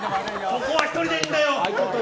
ここは１人でいいんだよ。